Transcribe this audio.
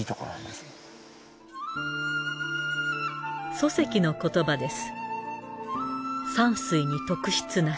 疎石の言葉です。